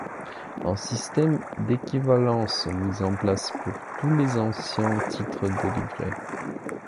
Un système d'équivalence mis en place pour tous les anciens titres délivrés.